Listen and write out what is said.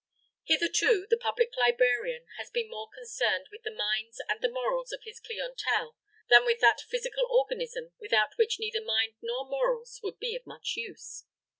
Hitherto, the public librarian has been more concerned with the minds and the morals of his clientele than with that physical organism without which neither mind nor morals would be of much use.